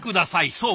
そう！